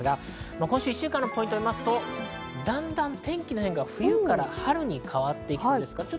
今週一週間のポイントを見ますと、だんだん天気の変化が冬から春に変わってきそうです。